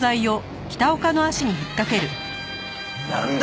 なんだ！？